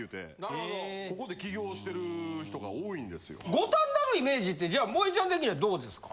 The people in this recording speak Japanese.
五反田のイメージってじゃあもえちゃん的にはどうですか？